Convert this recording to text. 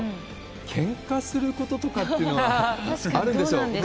けんかすることとかっていうのはあるんでしょうか。